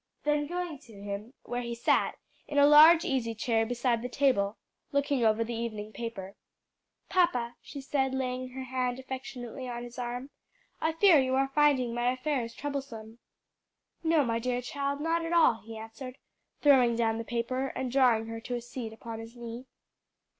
Then going to him where he sat, in a large easy chair beside the table, looking over the evening paper, "Papa," she said, laying her hand affectionately on his arm, "I fear you are finding my affairs troublesome." "No, my dear child, not at all," he answered, throwing down the paper and drawing her to a seat upon his knee.